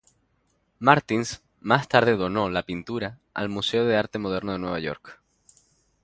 Martins más tarde donó la pintura al Museo de Arte Moderno de Nueva York.